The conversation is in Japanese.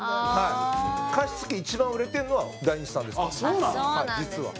加湿器、一番売れてるのはダイニチさんですから、実は。